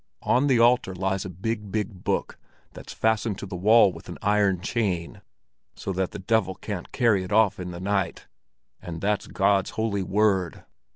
On the altar lies a big, big book that's fastened to the wall with an iron chain, so that the devil can't carry it off in the night, and that's God's Holy Word.